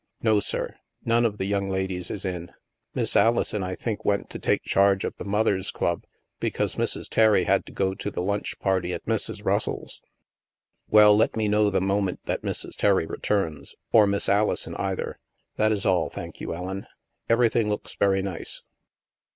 " No, sir. None of the young ladies is in. Miss Alison, I think, went to take charge of the Mothers' Club, because Mrs. Terry had to go to the lunch party at Mrs. Russell's." " Well, let me know the moment that Mrs. Terry returns : or Miss Alison either. That is all, thank you, Ellen. Everything looks very nice."